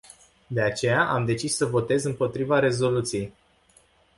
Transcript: De aceea, am decis să votez împotriva rezoluției.